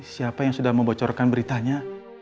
siapa yang sudah membocorkan beritanya